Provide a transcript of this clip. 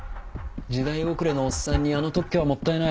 時代遅れのおっさんにあの特許はもったいない。